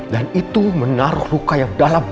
dan itu menaruh luka yang dalam